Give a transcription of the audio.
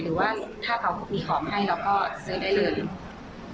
หรือว่าถ้าเขามีของให้เราก็ซื้อได้เลย